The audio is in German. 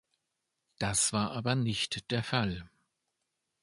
Das war aber nicht der Fall.